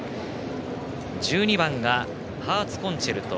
１２番がハーツコンチェルト。